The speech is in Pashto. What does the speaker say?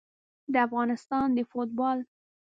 د افغانستان د فوټبال